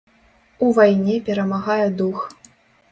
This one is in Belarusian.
У вайне перамагае дух.